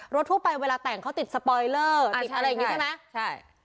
รถทั่วไปเวลาแต่งเขาติดอะไรอย่างงี้ใช่ไหมใช่